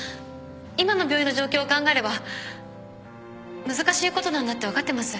今の病院の状況を考えれば難しいことなんだって分かってます。